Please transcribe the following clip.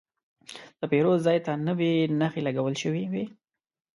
د پیرود ځای ته نوې نښې لګول شوې وې.